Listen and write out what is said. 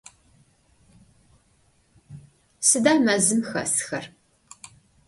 Sıda mezım xesxer?